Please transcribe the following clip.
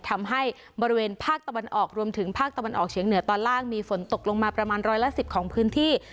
ทำให้บริเวณภาคตะวันออกรวมถึงภาคตะวันออกเฉียงเหนือตอนล่างมีฝนตกลงมาประมาณร้อยละ๑๐ของพื้นที่